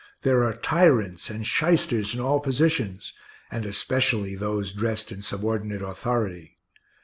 There are tyrants and shysters in all positions, and especially those dressed in subordinate authority.